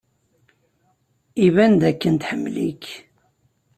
Iban dakken tḥemmel-ik.